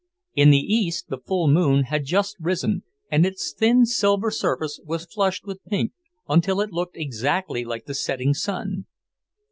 In the east the full moon had just risen, and its thin silver surface was flushed with pink until it looked exactly like the setting sun.